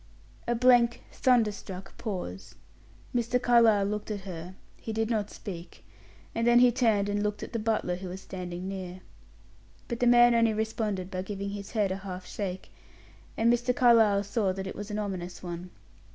A blank, thunderstruck pause. Mr. Carlyle looked at her he did not speak; and then he turned and looked at the butler, who was standing near. But the man only responded by giving his head a half shake, and Mr. Carlyle saw that it was an ominous one.